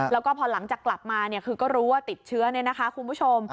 แล้วก็พอหลังจากกลับมาเนี่ยคือก็รู้ว่าติดเชื้อเนี่ยนะคะคุณผู้ชม